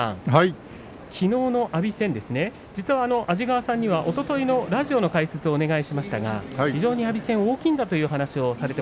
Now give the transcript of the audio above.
きのうの阿炎戦安治川さんにはおとといのラジオの解説をお願いしましたが非常に阿炎戦が大きい